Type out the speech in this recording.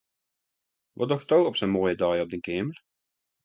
Wat dochsto op sa'n moaie dei op dyn keamer?